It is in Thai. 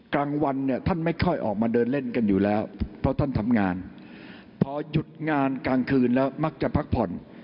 กลางวันเนี่ยท่านไม่ค่อยออกมาเดินเล่นกันอยู่แล้วเพราะท่านทำงานพอหยุดงานกลางคืนแล้วมักจะพักผ่อน